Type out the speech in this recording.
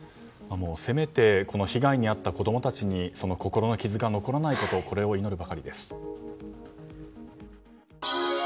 せめて、被害に遭った子供たちに心の傷が残らないことを祈るばかりです。